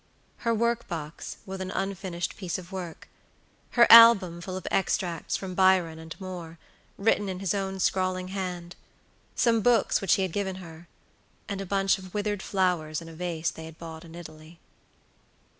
Her workbox, with an unfinished piece of work; her album full of extracts from Byron and Moore, written in his own scrawling hand; some books which he had given her, and a bunch of withered flowers in a vase they had bought in Italy.